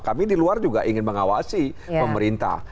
kami di luar juga ingin mengawasi pemerintah